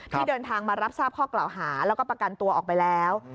ที่เดินทางมารับทราบข้อกล่าวหาแล้วก็ประกันตัวออกไปแล้ว